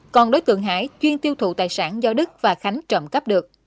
còn đối tượng hải chuyên tiêu thụ tài sản do đức và khánh trộm cắp được